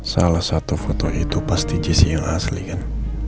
salah satu foto itu pasti jesse yang asli kan